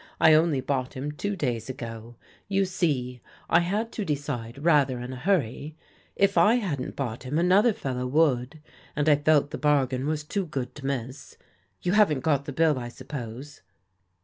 I only bought him two days ago; you see I had to decide rather in a hurry. If I hadn't bought him another fellow would, and I felt the bargain was too good to miss. You haven't got the bill, I suppose?